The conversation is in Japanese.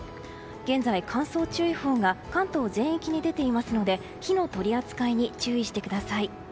現在、乾燥注意報が関東全域に出ていますので火の取り扱いに注意してください。